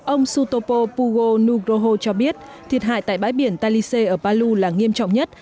ông sutopo pugo nugroho cho biết thiệt hại tại bãi biển talise ở palu là nghiêm trọng nhất